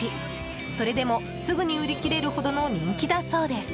それでもすぐに売り切れるほどの人気だそうです。